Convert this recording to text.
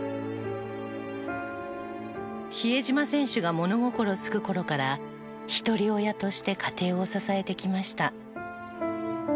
比江島選手が物心つく頃から一人親として家庭を支えてきました。